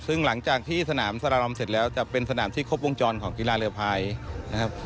ซึ่งหลังจากที่สนามสารรำเสร็จแล้วจะเป็นสนามที่ครบวงจรของกีฬาเรือพายนะครับ